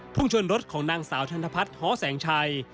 พุ่งชนรถของนางสาวธรรมพัฒน์ฮแสงชัย